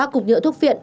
ba cục nhựa thuốc viện